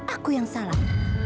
aku yang salah